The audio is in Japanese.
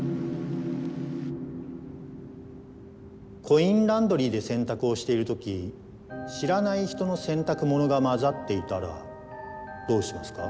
コインランドリーで洗濯をしている時知らない人の洗濯物が混ざっていたらどうしますか？